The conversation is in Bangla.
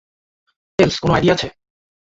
টেলস, কোন আইডিয়া আছে?